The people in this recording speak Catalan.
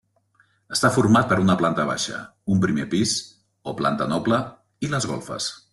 Està format per una planta baixa, un primer pis o planta noble i les golfes.